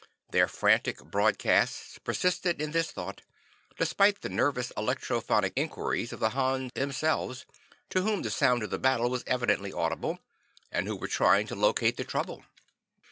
Their frantic broadcasts persisted in this thought, despite the nervous electrophonic inquiries of the Hans themselves, to whom the sound of the battle was evidently audible, and who were trying to locate the trouble.